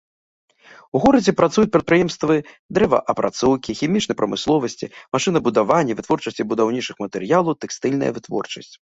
У горадзе працуюць прадпрыемствы дрэваапрацоўкі, хімічнай прамысловасці, машынабудавання, вытворчасці будаўнічых матэрыялаў, тэкстыльная вытворчасць.